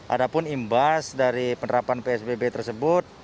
ada pun imbas dari penerapan psbb tersebut